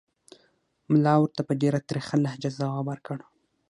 ملا ورته په ډېره ترخه لهجه ځواب ورکړ.